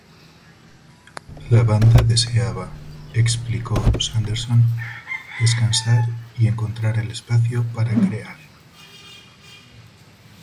La banda deseaba, explicó Sanderson, "descansar y encontrar el espacio para crear".